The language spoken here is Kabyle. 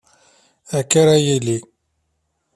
Akka ara yili.